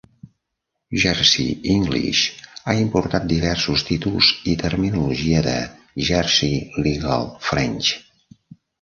Jersey English ha importat diversos títols i terminologia de Jersey Legal French.